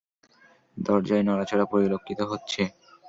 দরজায় নড়াচড়া পরিলক্ষিত হচ্ছে।